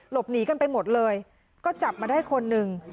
หลบหนีกันไปหมดเลยก็จับมาได้คนหนึ่ง